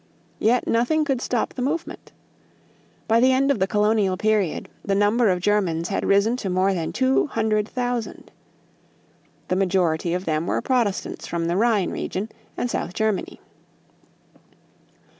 Yet nothing could stop the movement. By the end of the colonial period, the number of Germans had risen to more than two hundred thousand. The majority of them were Protestants from the Rhine region, and South Germany.